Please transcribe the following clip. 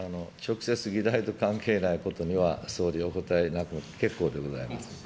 直接議題と関係ないことには、総理、お答えにならなくて結構でございます。